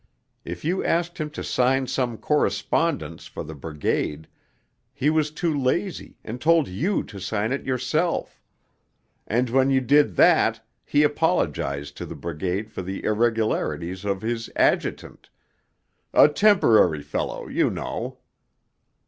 If you asked him to sign some correspondence for the Brigade, he was too lazy and told you to sign it yourself; and when you did that he apologized to the Brigade for the irregularities of his adjutant 'a Temporary fellow, you know.'